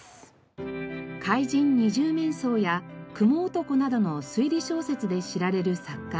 『怪人二十面相』や『蜘蛛男』などの推理小説で知られる作家